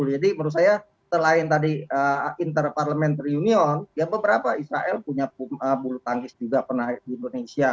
jadi menurut saya selain tadi inter parliamentary union ya beberapa israel punya bulu tangis juga pernah di indonesia